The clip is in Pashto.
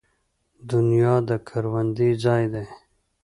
دنیا د کروندې ځای دی